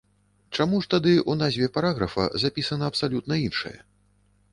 Чаму ж тады ў назве параграфа запісана абсалютна іншае?